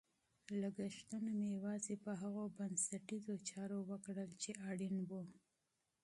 لګښتونه مې یوازې په هغو بنسټیزو چارو وکړل چې اړین وو.